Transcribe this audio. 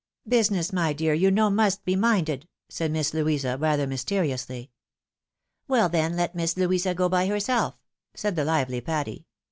" Business, my dear, you know, must be minded," said Miss Louisa, rather mysteriously. " WeV, then, let Miss Louisa go by herself," said the lively Patty.